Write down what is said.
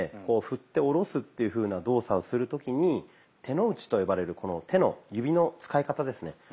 こう振って下ろすっていうふうな動作をする時に「手の内」と呼ばれるこの手の指の使い方ですね。